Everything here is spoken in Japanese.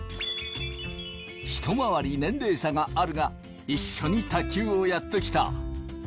ひと回り年齢差があるが一緒に卓球をやってきた。